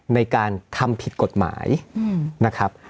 ในการทำผิดกฎหมายนะครับ